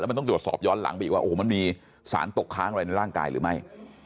มันต้องตรวจสอบย้อนหลังไปอีกว่าโอ้โหมันมีสารตกค้างอะไรในร่างกายหรือไม่